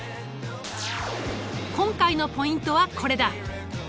今回のポイントはこれだ。